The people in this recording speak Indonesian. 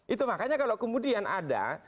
itu makanya kalau kemudian ada